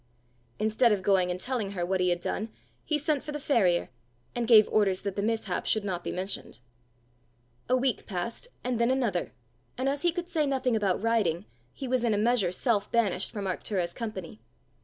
Instead of going and telling her what he had done, he sent for the farrier, and gave orders that the mishap should not be mentioned. A week passed, and then another; and as he could say nothing about riding, he was in a measure self banished from Arctura's company.